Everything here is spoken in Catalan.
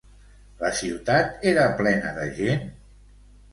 La ciutat era plena de gent?